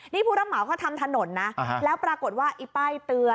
นี่ผู้รับเหมาเขาทำถนนนะแล้วปรากฏว่าไอ้ป้ายเตือน